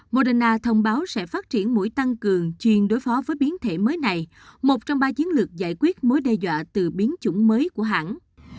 moderna thông báo sẽ phát triển mũi tăng cường chuyên đối phó với biến thể mới này một trong ba chiến lược giải quyết mối đe dọa từ biến chủng mới của hãng